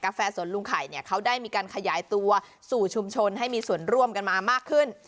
แฟสวนลุงไข่เนี่ยเขาได้มีการขยายตัวสู่ชุมชนให้มีส่วนร่วมกันมามากขึ้น